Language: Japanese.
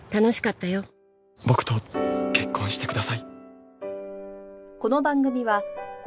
僕と結婚してください。